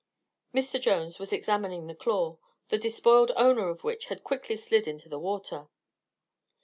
Mr. Jones was examining the claw, the despoiled owner of which had quickly slid into the water.